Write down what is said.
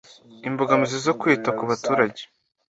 imbogamizi zo kwita ku baturage